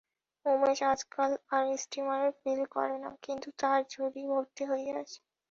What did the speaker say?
উমেশ আজকাল আর steamer fail করে না, কিন্তু তাহার ঝুড়ি ভর্তি হইয়া আসে।